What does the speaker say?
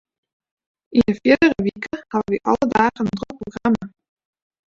Yn 'e fierdere wike hawwe wy alle dagen in drok programma.